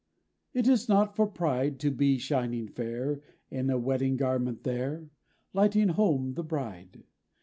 It is not for pride, To be shining fair In a wedding garment there, lighting home the Bride.